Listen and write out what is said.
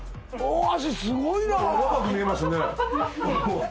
大橋すごいな若く見えますね